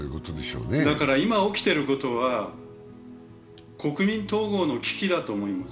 今起きていることは国民統合の危機だと思います。